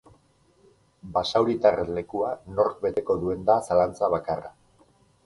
Basauritarraren lekua nork beteko duen da zalantza bakarra.